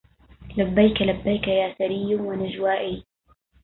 لبيك لبيك يا سري ونجوائي